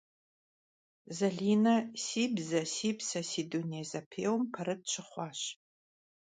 Zaline «Si bze - si pse, si dunêy» zepêuem perıt şıxhuaş.